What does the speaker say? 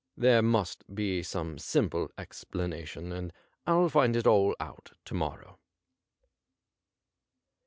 There must be some simple explanation, and Til find it all out to morrow.'